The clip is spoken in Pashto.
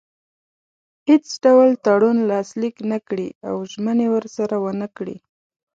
هیڅ ډول تړون لاسلیک نه کړي او ژمنې ورسره ونه کړي.